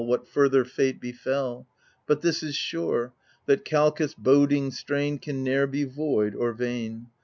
What further fate befel : But this is sure, that Calchas' boding strain Can ne'er be void or vain.